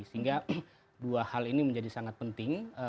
sehingga dua hal ini menjadi sangat penting